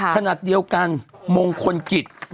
ถนัดเดียวกันมงคลกิจ